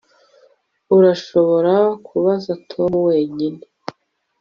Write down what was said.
Urashobora kubaza Tom wenyine